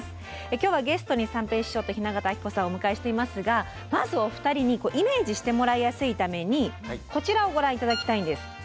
今日はゲストに三平師匠と雛形あきこさんをお迎えしていますがまずお二人にイメージしてもらいやすいためにこちらをご覧頂きたいんです。